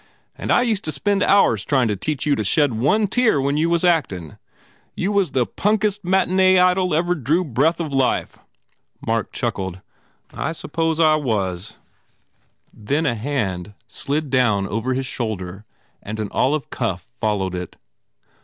And I used to spend hours trying to teach you to shed one tear when you was actin ! You was the punkest matiny idol ever drew breath of life! Mark chuckled, "I suppose I was," then a hand slid down over his shoulder and an olive cuff followed it.